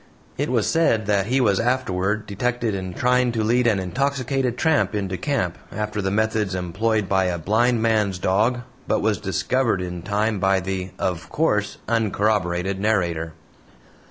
It was said that he was afterward detected in trying to lead an intoxicated tramp into camp after the methods employed by a blind man's dog, but was discovered in time by the of course uncorroborated narrator.